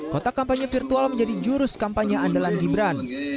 kotak kampanye virtual menjadi jurus kampanye andalan gibran